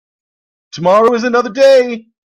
Tomorrow is another day.